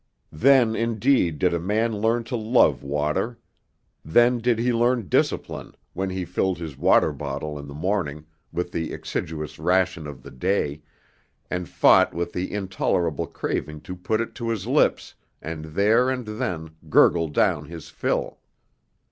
Then indeed did a man learn to love water; then did he learn discipline, when he filled his water bottle in the morning with the exiguous ration of the day, and fought with the intolerable craving to put it to his lips and there and then gurgle down his fill.